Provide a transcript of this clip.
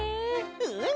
うん！